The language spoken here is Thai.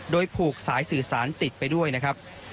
โดยผูกสายสื่อสารติดไปด้วยนะครับ